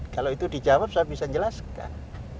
kalau itu dijawab saya bisa menjelaskan